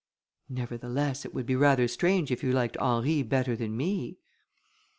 "Nevertheless, it would be rather strange if you liked Henry better than me."